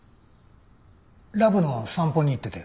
ラブの散歩に行ってて。